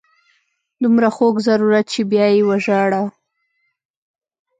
دومره خوږ ضرورت چې بیا یې وژاړو.